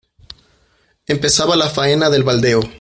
empezaba la faena del baldeo.